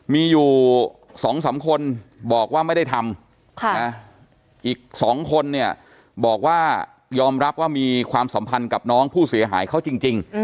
มีอยู่๒๓คนบอกว่าไม่ได้ทำอีก๒คนเนี่ยบอกว่ายอมรับว่ามีความสัมพันธ์กับน้องผู้เสียหายเขาจริง